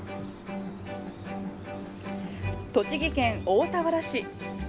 栃木県大田原市。